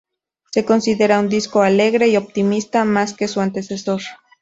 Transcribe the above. Se considera un disco alegre y optimista, más que su antecesor.